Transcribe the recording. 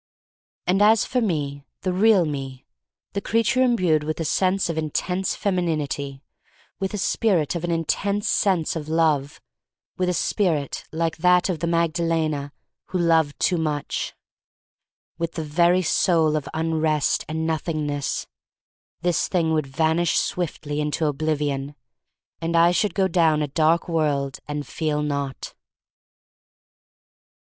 And as for me — the real me — the creature imbued with a spirit of intense femininity, with a spirit of an intense sense of Love — with a spirit like that of the Magdalene who loved too much, THE STORY OF MARY MAC LANE 273 with the very soul of unrest and Noth ingness — this thing would vanish swiftly into oblivion, and I should go down a dark world and feel not.